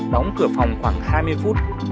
đóng cửa phòng khoảng hai mươi phút